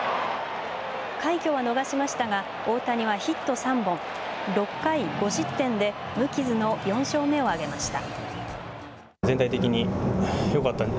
快挙は逃しましたが大谷はヒット３本６回５失点で無傷の４勝目を挙げました。